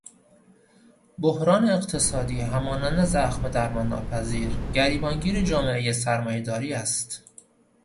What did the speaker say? بحران اقتصادی همانند زخم درمان ناپذیر گریبان گیر جامعهُ سرمایه داری است.